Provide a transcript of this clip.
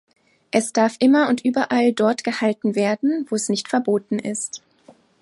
Es darf immer und überall dort gehalten werden, wo es nicht verboten ist.